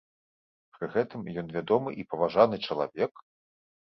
Пры гэтым, ён вядомы і паважаны чалавек?